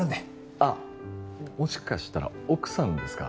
あっもしかしたら奥さんですか？